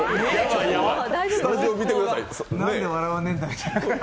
スタジオ見てください、ねぇ。